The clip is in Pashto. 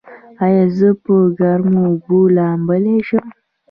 ایا زه په ګرمو اوبو لامبلی شم؟